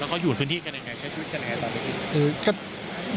แล้วเขาอยู่ในพื้นที่กันยังไงใช้ชีวิตกันยังไงต่อไป